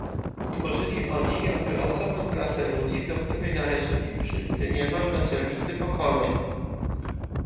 Utworzyli oni jakby osobną klasę ludzi, do której należeli wszyscy niemal naczelnicy pokoleń.